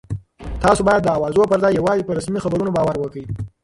تاسو باید د اوازو پر ځای یوازې په رسمي خبرونو باور وکړئ.